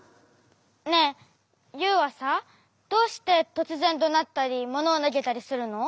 ねえユウはさどうしてとつぜんどなったりものをなげたりするの？